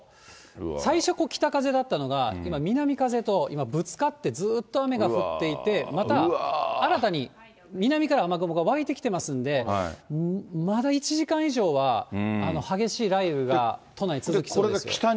最初、北風だったのが、今、南風と今、ぶつかって、ずっと雨が降っていて、また新たに南から雨雲が湧いてきてますんで、まだ１時間以上は激しい雷雨が、都内続きそうです。